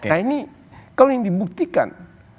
nah ini kalau yang dibuktikan